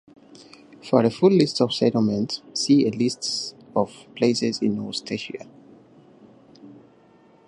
For a full list of settlements, see list of places in Worcestershire.